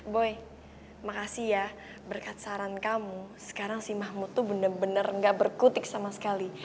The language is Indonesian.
boy makasih ya berkat saran kamu sekarang si mahmud tuh bener bener gak berkutik sama sekali